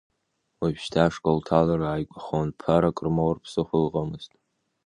Уажәшьҭа ашкол ҭалара ааигәахон, ԥарак рмоур ԥсыхәа ыҟамызт.